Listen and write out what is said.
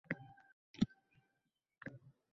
O`g`li ham ko`ziga ko`rinmay ajrashishga ariza berdi